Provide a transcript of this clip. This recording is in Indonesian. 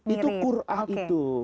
itu qur'ah itu